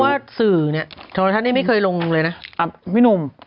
ว่าสื่อเนี่ยโทรทัศน์นี่ไม่เคยลงเลยนะพี่หนุ่ม